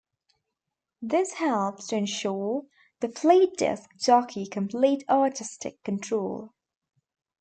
This helps to ensure the Fleet disk jockey complete artistic control.